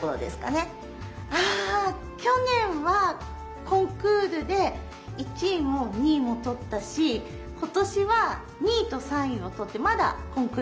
去年はコンクールで１位も２位も取ったし今年は２位と３位を取ってまだ別のコンクールに挑戦中です。